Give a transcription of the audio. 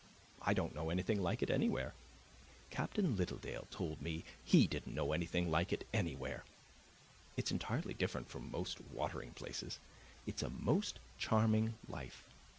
I don't know anything like it anywhere. Captain Littledale told me he didn't know anything like it anywhere. It's entirely different from most watering places; it's a most charming life.